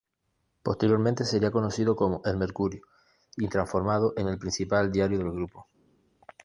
Posteriormente sería conocido como "El Mercurio" y transformado en el principal diario del grupo.